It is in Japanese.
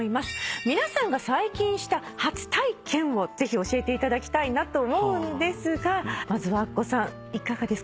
皆さんが最近した初体験をぜひ教えていただきたいなと思うんですがまずはアッコさんいかがですか？